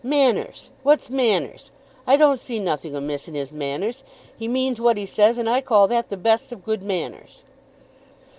Manners! What's manners? I don't see nothing amiss in his manners. He means what he says, and I call that the best of good manners."